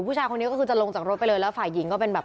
ผู้ชายคนนี้ก็คือจะลงจากรถไปเลยแล้วฝ่ายหญิงก็เป็นแบบ